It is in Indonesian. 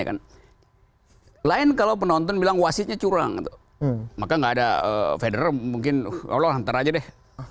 kan lain kalau penonton bilang wasitnya curang maka nggak ada federasi mungkin allah hantar aja deh